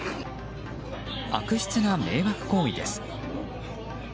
悪質な迷惑行為です。